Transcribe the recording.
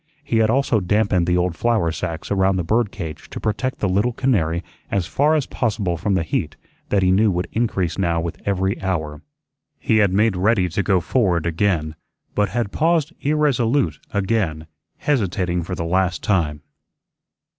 He had also dampened the old flour sacks around the bird cage to protect the little canary as far as possible from the heat that he knew would increase now with every hour. He had made ready to go forward again, but had paused irresolute again, hesitating for the last time.